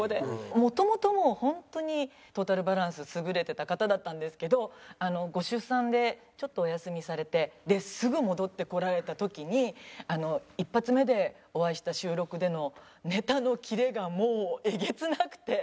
元々もうホントにトータルバランス優れてた方だったんですけどご出産でちょっとお休みされてですぐ戻ってこられた時に１発目でお会いした収録でのネタのキレがもうえげつなくて。